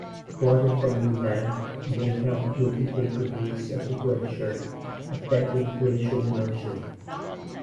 Water from moulins may help lubricate the base of the glacier, affecting glacial motion.